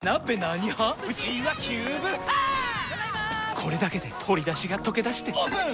これだけで鶏だしがとけだしてオープン！